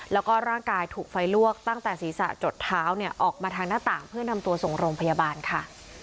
แล้วก็ร่างกายถูกไฟลวกตั้งแต่ศีรษะจดเท้าเนี่ยออกมาทางหน้าต่างเพื่อนำตัวส่งโรงพยาบาลค่ะ